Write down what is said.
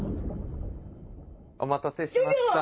お待たせしました。